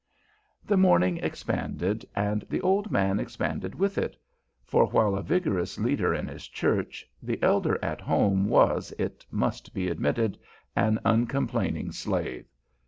The morning expanded, and the old man expanded with it; for while a vigorous leader in his church, the elder at home was, it must be admitted, an uncomplaining slave.